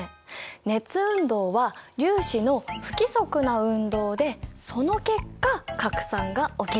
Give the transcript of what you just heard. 熱運動は粒子の不規則な運動でその結果拡散が起きる。